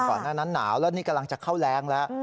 ก่อนหน้านั้นหนาวแล้วนี่กำลังจะเข้าแรงแล้ว